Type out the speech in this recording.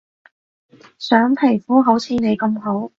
想皮膚好似你咁好